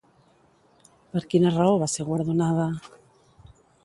Per quina raó va ser guardonada?